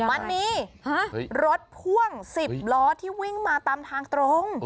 มันมีรถพ่วง๑๐ล้อที่วิ่งมาตามทางตรง